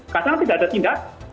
kadang tidak ada tindak